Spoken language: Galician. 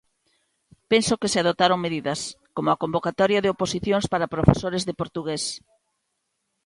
Penso que se adoptaron medidas, como a convocatoria de oposicións para profesores de portugués.